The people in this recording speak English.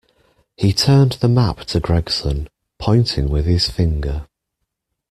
He turned the map to Gregson, pointing with his finger.